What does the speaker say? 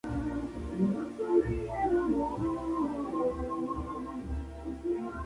Louis Hawks, consiguiendo su tercer anillo, el segundo de forma consecutiva.